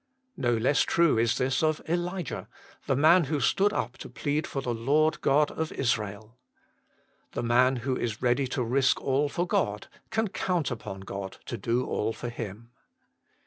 No less true is this of Elijah, the man who stood up to plead for the Lord God of Israel. The man who is ready to risk all for God can count upon God to do all for him.